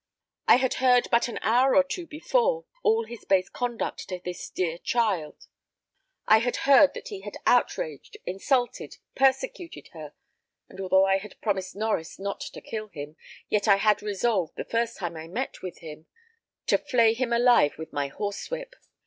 I had heard but an hour or two before all his base conduct to this dear child I had heard that he had outraged, insulted, persecuted her; and although I had promised Norries not to kill him, yet I had resolved, the first time I met with him, to flay him alive with my horsewhip.